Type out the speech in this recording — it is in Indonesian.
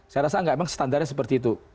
saya rasa tidak memang standarnya seperti itu